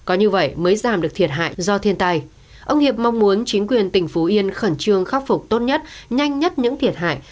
ông hiệp mong muốn chính quyền tỉnh phú yên khẩn trương khắc phục tốt nhất nhanh nhất những thiệt hại